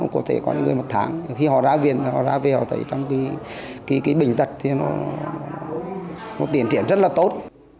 có thể có những người một tháng khi họ ra viện họ ra về họ thấy trong cái bệnh tật thì nó tiến triển rất là tốt